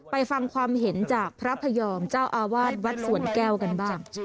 ฟังความเห็นจากพระพยอมเจ้าอาวาสวัดสวนแก้วกันบ้าง